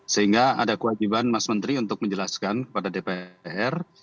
sehingga ada kewajiban mas menteri untuk menjelaskan kepada dpr